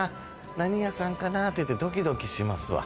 何屋さんかな？っていうてドキドキしますわ。